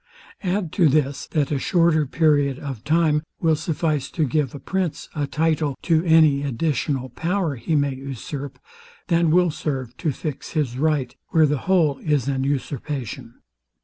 Add to this, that a shorter period of time will suffice to give a prince a title to any additional power he may usurp, than will serve to fix his right, where the whole is an usurpation.